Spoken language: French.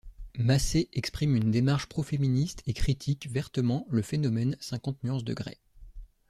Massé exprime une démarche pro-féministe et critique vertement le phénomène Cinquante nuances de grey.